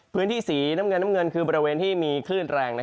พื้นที่สีน้ำเงินน้ำเงินคือบริเวณที่มีคลื่นแรง